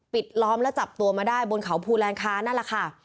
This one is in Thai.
ล้อมและจับตัวมาได้บนเขาภูแลนค้านั่นแหละค่ะ